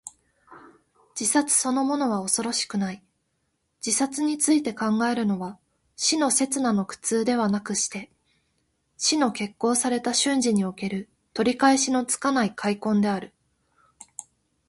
自殺そのものは恐ろしくない。自殺について考えるのは、死の刹那の苦痛ではなくして、死の決行された瞬時における、取り返しのつかない悔恨である。